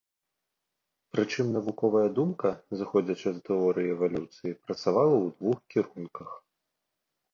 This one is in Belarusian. Прычым навуковая думка, зыходзячы з тэорыі эвалюцыі, працавала ў двух кірунках.